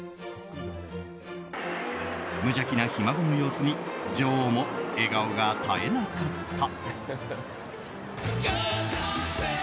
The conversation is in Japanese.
無邪気なひ孫の様子に女王も笑顔が絶えなかった。